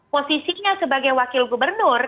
posisinya sebagai wakil gubernur